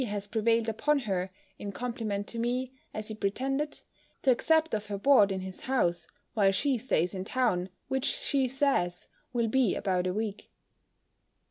has prevailed upon her, in compliment to me, as he pretended, to accept of her board in his house, while she stays in town, which she says, will be about a week.